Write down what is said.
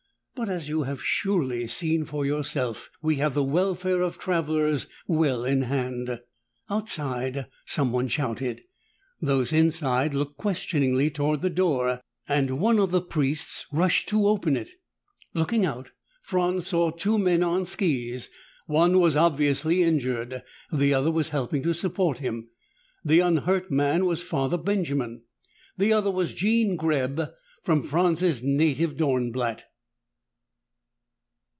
But, as you have surely seen for yourself, we have the welfare of travelers well in hand " Outside, someone shouted. Those inside looked questioningly toward the door and one of the priests rushed to open it. Looking out, Franz saw two men on skis. One was obviously injured. The other was helping to support him. The unhurt man was Father Benjamin. The other was Jean Greb, from Franz's native Dornblatt.